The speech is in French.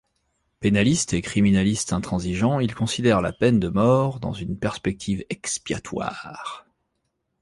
Pénaliste et criminaliste intransigeant, il considère la peine de mort dans une perspective expiatoire.